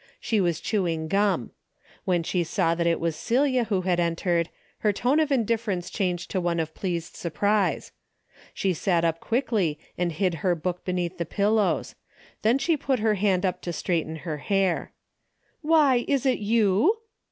She w'as chewing gum. When she saw that it was Celia who had entered, her tone of in difference changed to one of pleased surprise. She sat up quickly and hid her book beneath the pillows. Then she put her hand up to straighten her hair. " Why, is it you